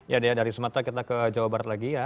ya dea dari sumatera kita ke jawa barat lagi ya